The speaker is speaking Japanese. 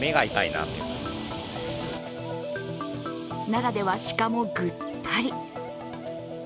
奈良では、鹿もぐったり。